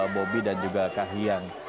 bobby dan juga kahiyang